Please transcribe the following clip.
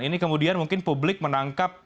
ini kemudian mungkin publik menangkap